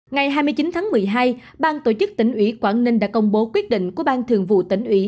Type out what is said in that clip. ngày hai mươi chín tháng một mươi hai ban tổ chức tỉnh ủy quảng ninh đã công bố quyết định của ban thường vụ tỉnh ủy